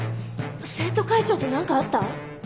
生徒会長と何かあった？